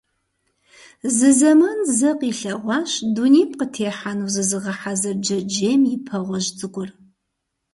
Зы зэман зэ къилъэгъуащ дунейм къытехьэну зызыгъэхьэзыр джэджьейм и пэ гъуэжь цӀыкӀур.